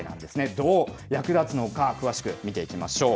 どう役立つのか、詳しく見ていきましょう。